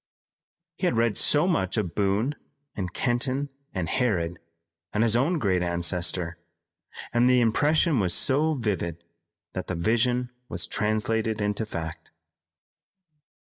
He had read so much of Boone and Kenton and Harrod, and his own great ancestor, and the impression was so vivid, that the vision was translated into fact.